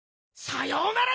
さようなら！